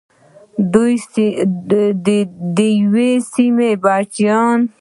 د یوې سیمې بچیان.